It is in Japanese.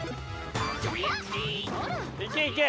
いけいけ！